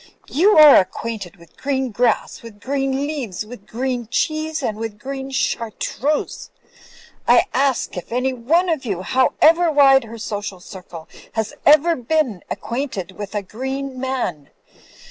You are acquainted with green grass, with green leaves, with green cheese, with green char treuse. I ask if any one of you, however wide her social circle, has ever been acquainted with a green man.